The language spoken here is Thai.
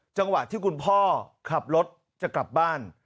จังหวะที่คุณพ่อขับรถจะกลับบ้าน